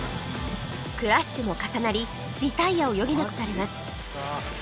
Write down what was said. クラッシュも重なりリタイアを余儀なくされます